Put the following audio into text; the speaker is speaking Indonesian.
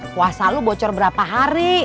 kuasa lu bocor berapa hari